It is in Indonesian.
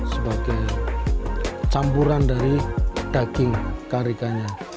sebagai campuran dari daging karikanya